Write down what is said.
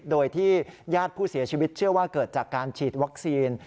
โดยที่ญาติผู้เสียชีวิตเชื่อว่าเกิดจากการฉีดวัคซีน